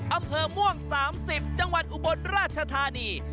อำเภอม่วง๓๐จังหวัดอุบลราชธานี